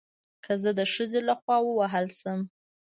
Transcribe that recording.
که زه د ښځې له خوا ووهل شم